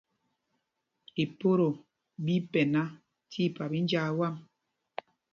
Ipoto ɓí pɛna tí ipap í njāā wām.